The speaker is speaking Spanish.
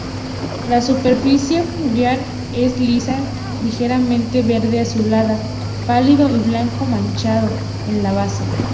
La superficie foliar es lisa, ligeramente verde azulada pálido y blanco-manchado en la base.